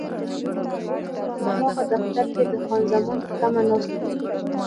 په هماغه دفتر کې د خان زمان په تمه ناست وم.